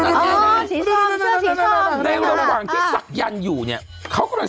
อ๋อชีส้อมเสื้อชีส้อมในระหว่างที่สักยันอยู่เนี่ยเขากำลัง